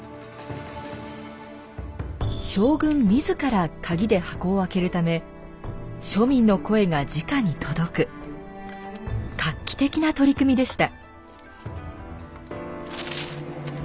将軍自ら鍵で箱を開けるため庶民の声がじかに届く画期的な取り組みでした。